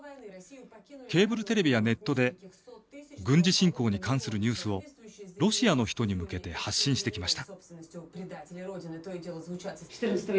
ケーブルテレビやネットで軍事侵攻に関するニュースをロシアの人に向けて発信してきました。